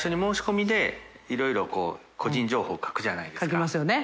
書きますよね。